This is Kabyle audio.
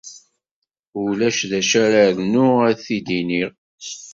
Ulac d acu ara rnuɣ ad t-id-iniɣ.